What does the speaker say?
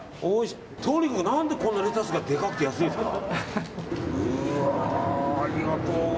とにかく何でこんなレタスがでかくて安いんですか。